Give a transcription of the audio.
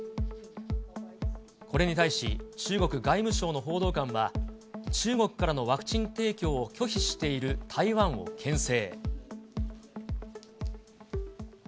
これに対し、中国外務省の報道官は、中国からのワクチン提供を拒否している台湾をけん制。